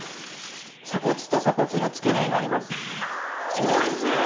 鎖骨と鎖骨の付け根になりまおいしい！